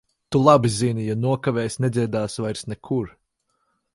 Tu labi zini - ja nokavēsi, nedziedāsi vairs nekur.